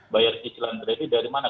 bayar cicilan kredit dari mana